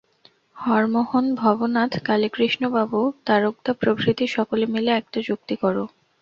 হরমোহন, ভবনাথ, কালীকৃষ্ণ বাবু, তারক-দা প্রভৃতি সকলে মিলে একটা যুক্তি কর।